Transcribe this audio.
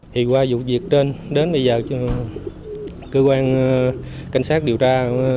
thì qua vụ việc trên đến bây giờ cơ quan cảnh sát điều tra